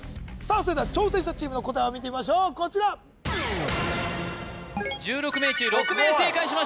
それでは挑戦者チームの答えを見てみましょうこちら１６名中６名正解しました